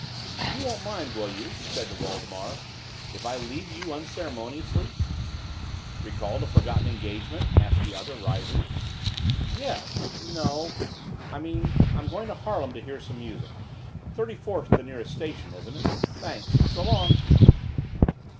You won't mind, will you," he said to Waldemar, "if I leave you unceremoniously?" "Recalled a forgotten engagement?" asked the other, rising. "Yes. No. I mean I'm going to Harlem to hear some music. Thirty fourth's the nearest station, isn't it? Thanks. So long."